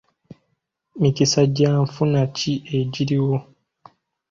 Mikisa gya nfuna ki egiriwo?